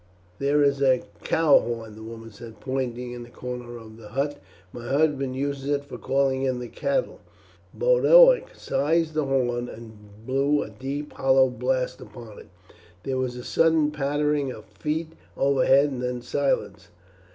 "There is a cow horn," the woman said, pointing to the corner of the hut. "My husband uses it for calling in the cattle." Boduoc seized the horn and blew a deep hollow blast upon it. There was a sudden pattering of feet overhead and then silence.